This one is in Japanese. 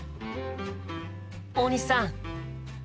大西さん！